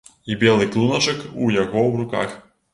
І белы клуначак у яго ў руках.